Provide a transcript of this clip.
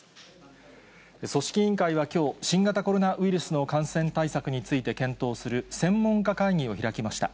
組織委員会はきょう、新型コロナウイルスの感染対策について検討する専門家会議を開きました。